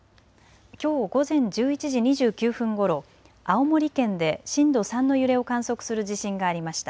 きょう午前１１時２９分ごろ青森県で震度３の揺れを観測する地震がありました。